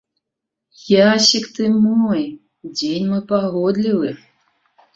Ясік ты мой, дзень мой пагодлівы.